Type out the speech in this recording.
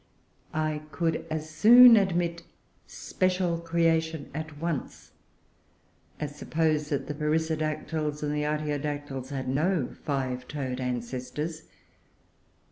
I could as soon admit special creation, at once, as suppose that the Perissodactyles and Artiodactyles had no five toed ancestors.